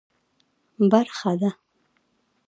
برخه ده.